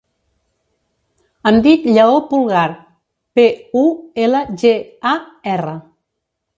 Em dic Lleó Pulgar: pe, u, ela, ge, a, erra.